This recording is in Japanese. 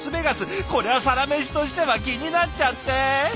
これは「サラメシ」としては気になっちゃって！